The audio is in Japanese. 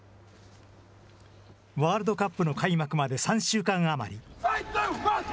ワールドカップの開幕まで３週間余り。